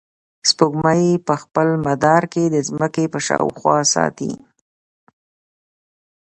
سپوږمۍ په خپل مدار کې د ځمکې په شاوخوا ساتي.